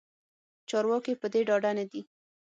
چارواکې پدې ډاډه ندي